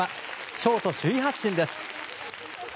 ショート、首位発進です。